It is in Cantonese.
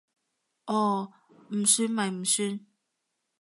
哦，唔算咪唔算